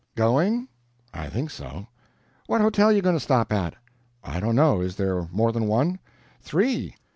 "Going?" "I think so." "What hotel you going to stop at?" "I don't know. Is there more than one?" "Three.